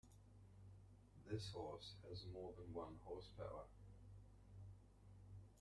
This horse has more than one horse power.